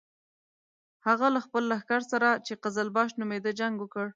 هغه له خپل لښکر سره چې قزلباش نومېده جنګ وکړ.